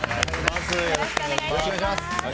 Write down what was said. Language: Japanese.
よろしくお願いします。